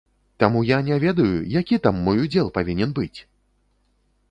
Таму я не ведаю, які там мой удзел павінен быць?!